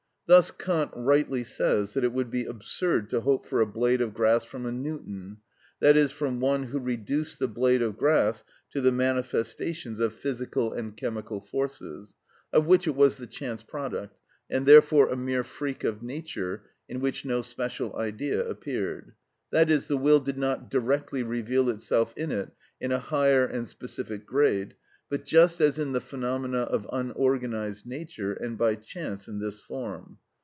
Thus Kant rightly says that it would be absurd to hope for a blade of grass from a Newton, that is, from one who reduced the blade of grass to the manifestations of physical and chemical forces, of which it was the chance product, and therefore a mere freak of nature, in which no special Idea appeared, i.e., the will did not directly reveal itself in it in a higher and specific grade, but just as in the phenomena of unorganised nature and by chance in this form.